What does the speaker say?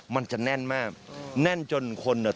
มันจะแน่นมากแน่นจนคนเนี่ย